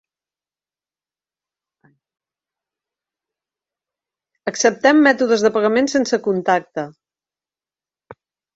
Acceptem mètodes de pagament sense contacte.